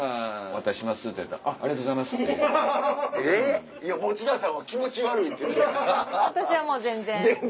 私はもう全然。